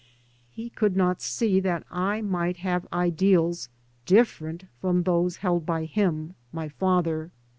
He could not see that X might have ideals different from those held by. him, my father.